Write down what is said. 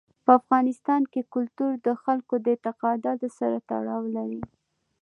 په افغانستان کې کلتور د خلکو د اعتقاداتو سره تړاو لري.